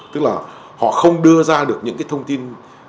tức là họ không đưa ra được những cái thông tin